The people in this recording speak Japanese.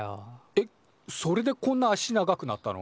えっそれでこんな足長くなったの？